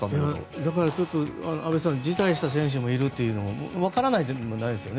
だから、安部さん辞退した選手もいるというのもわからないでもないですよね。